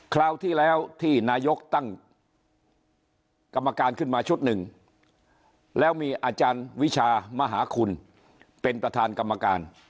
คราวที่แล้วที่นายกตั้งกรรมการขึ้นมาชุดหนึ่งแล้วมีอาจารย์วิชามหาคุณเป็นประธานกรรมการ